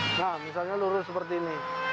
nah misalnya lurus seperti ini